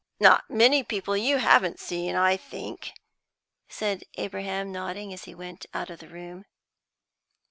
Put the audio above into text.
"Not many people you haven't seen, I think," said Abraham, nodding, as he went out of the room.